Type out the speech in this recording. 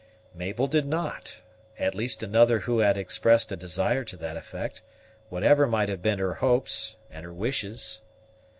Mabel did not; at least another who had expressed a desire to that effect, whatever might have been her hopes and her wishes.